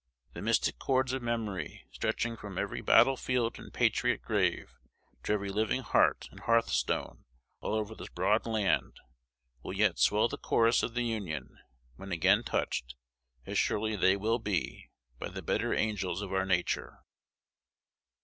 The mystic chords of memory, stretching from every battle field and patriot grave to every living heart and hearthstone all over this broad land, will yet swell the chorus of the Union, when again touched, as surely they will be, by the better angels of our nature.